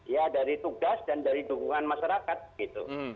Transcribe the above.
ya dari tugas dan dari dukungan masyarakat gitu